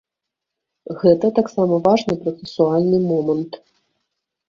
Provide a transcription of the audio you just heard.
Гэта таксама важны працэсуальны момант.